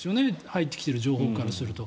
入ってきている情報からすると。